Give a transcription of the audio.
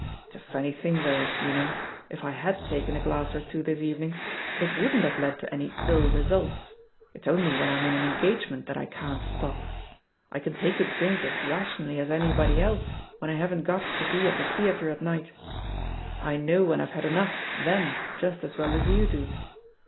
It's a funny thing, though, you know, if I had taken a glass or two this evening, it wouldn't have led to any ill results. It's only when I'm in an engagement that I can't stop. I can take a drink as rationally as anybody else when I haven't got to be at the theatre at night; I know when I've had enough then just as well as you do.